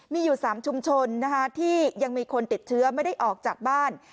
มีอยู่๓ชุมชนที่ยังมีคนติดเชื้อไม่ได้ออกจากบ้าน